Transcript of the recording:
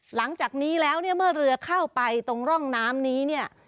หลังจากนี้แล้วเนี่ยเมื่อเรือเข้าไปตรงร่องน้ำนี้เนี่ย